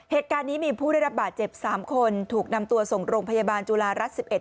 เหตุการณ์นี้มีผู้ได้รับบาดเจ็บ๓คนถูกนำตัวส่งโรงพยาบาลจุฬารัฐ๑๑